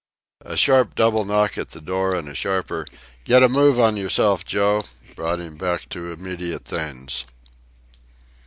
A sharp double knock at the door, and a sharper "Get a move on yerself, Joe!" brought him back to immediate things.